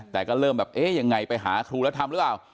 แต่ก็เริ่มแบบเอ๊ะยังไงไปหาครูแล้วทำหรือเปล่า